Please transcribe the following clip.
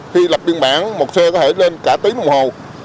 khi lập biên bản một xe có thể lên cả tiếng đồng hồ